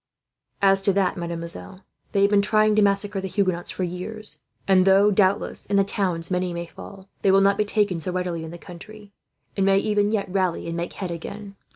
"As to that, mademoiselle, they have been trying to massacre the Huguenots for years; and though, doubtless, in the towns many may fall, they will not be taken so readily in the country; and may, even yet, rally and make head again.